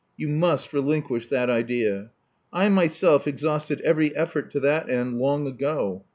You must relinquish that idea. I myself exhausted every effort to that end long ago.